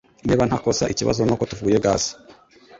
Niba ntakosa ikibazo nuko tuvuye gaze